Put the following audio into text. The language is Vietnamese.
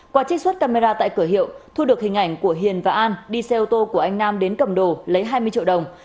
qua trích xuất camera tại cửa hiệu thu được hình ảnh của hiền và an đi xe ô tô của anh nam đến cầm đồ lấy hai mươi triệu đồng